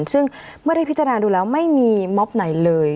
ซึ่งเมื่อได้พิจารณาดูแล้วไม่มีม็อบไหนเลย